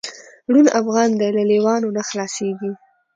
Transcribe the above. ړوند افغان دی له لېوانو نه خلاصیږي